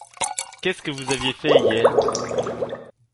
Qu’est-ce que vous aviez fait hier ?